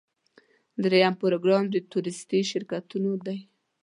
دریم پروګرام د تورېستي شرکتونو دی.